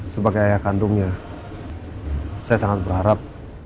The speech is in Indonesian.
sebagai ayah kandungnya saya sangat berharap